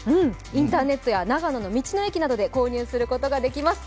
インターネットや長野の道の駅などで購入することができます。